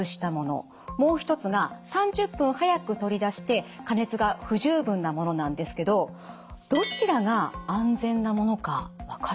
もう一つが３０分早く取り出して加熱が不十分なものなんですけどどちらが安全なものか分かりますか？